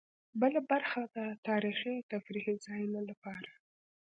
بله برخه د تاریخي او تفریحي ځایونو لپاره.